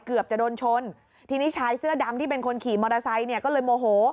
เกือบจะโดนชนทีนี้ชายเสื้อดำที่เป็นคนขี่มอเตอร์ไซค์เนี่ยก็เลยโมโห